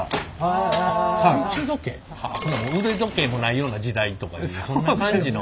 腕時計もないような時代とかそんな感じの。